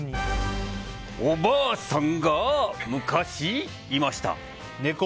おばあさんが昔、いました。